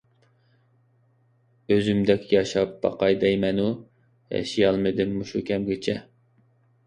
ئۆزۈمدەك ياشاپ باقاي دەيمەنۇ، ياشىيالمىدىم مۇشۇ كەمگىچە.